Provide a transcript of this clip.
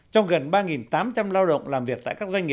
trong gần ba tám trăm linh lao động làm việc tại các doanh nghiệp